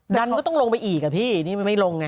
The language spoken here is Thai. ดันก็ต้องลงไปอีกแล้วพี่ไม่ลงไง